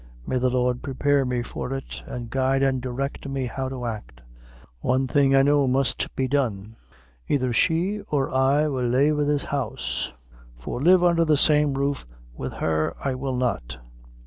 May the Lord prepare me for it, and guide and direct me how to act! One thing, I know, must be done either she or I will lave this house; for live undher the same roof wid her I will not."